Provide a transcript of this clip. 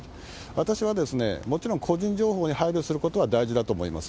私はもちろん個人情報に配慮することは大事だと思います。